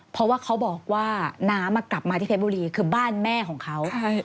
เพราะว่าเขาบอกว่าน้ำกลับมาที่เพชรบุรีคือบ้านแม่ของเขา